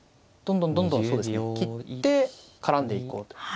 どんどんどんどんそうですね切って絡んでいこうと。